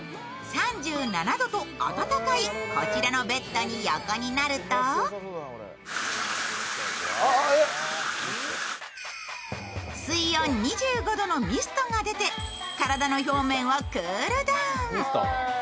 ３７度と温かいこちらのベッドに横になると水温２５度のミストが出て体の表面はクールダウン。